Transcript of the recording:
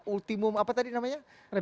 ultimum apa tadi namanya